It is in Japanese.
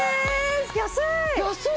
安い！